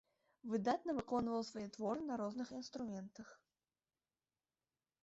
Выдатна выконваў свае творы на розных інструментах.